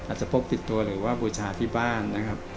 อาจจะพกติดตัวหรือว่าบูชาที่บ้านนะครับ